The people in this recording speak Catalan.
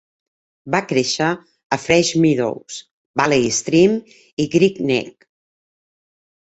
Va créixer a Fresh Meadows, Valley Stream i Great Neck.